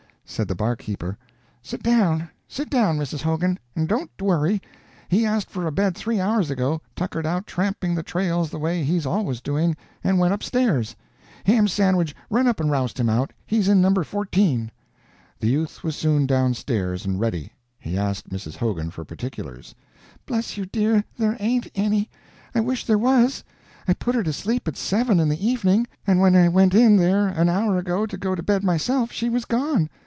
Said the barkeeper: "Sit down, sit down, Mrs. Hogan, and don't worry. He asked for a bed three hours ago, tuckered out tramping the trails the way he's always doing, and went upstairs. Ham Sandwich, run up and roust him out; he's in No. 14." The youth was soon downstairs and ready. He asked Mrs. Hogan for particulars. "Bless you, dear, there ain't any; I wish there was. I put her to sleep at seven in the evening, and when I went in there an hour ago to go to bed myself, she was gone.